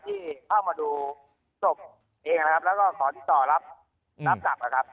ที่เข้ามาดูศพเองนะครับแล้วก็ขอติดต่อรับรับกลับนะครับ